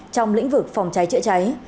trong lĩnh vực phòng cháy chữa cháy